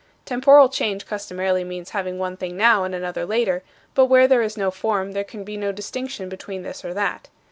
Temporal change customarily means having one thing now and another later; but where there is no form there can be no distinction between this or that.